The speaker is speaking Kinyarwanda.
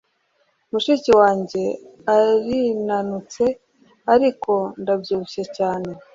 Mushiki wanjye arinanutse, ariko ndabyibushye cyane.